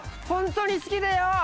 本当に好きでよ。